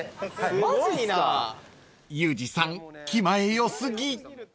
［ユージさん気前良過ぎ］